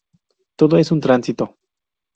Todo es un tránsito.